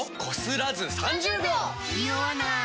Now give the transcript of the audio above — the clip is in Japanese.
ニオわない！